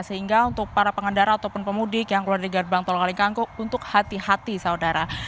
sehingga untuk para pengendara ataupun pemudik yang keluar dari gerbang tol kali kangkung untuk hati hati saudara